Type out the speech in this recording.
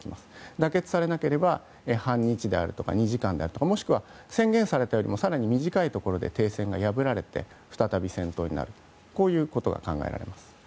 妥結されなければ半日であるとか２時間であるとかもしくは宣言されてもまだ短いところで停戦が破られて再び戦闘になるということが考えられます。